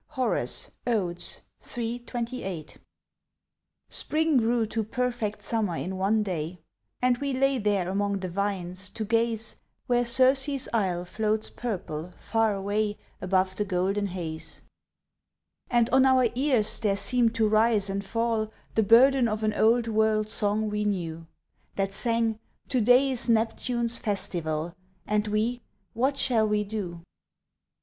_" HORACE, Odes, iii. 28. Spring grew to perfect summer in one day, And we lay there among the vines, to gaze Where Circe's isle floats purple, far away Above the golden haze: And on our ears there seemed to rise and fall The burden of an old world song we knew, That sang, "To day is Neptune's festival, And we, what shall we do?"